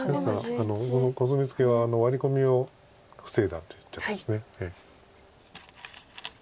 ですからコスミツケはワリコミを防いだと言ってます。